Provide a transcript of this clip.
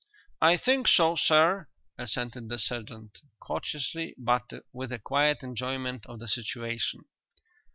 "I think so, sir," assented the sergeant, courteously but with a quiet enjoyment of the situation.